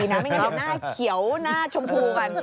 ไม่งั้นเดี๋ยวหน้าเขียวหน้าชมพูกัน